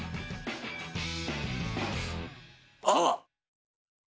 あっ！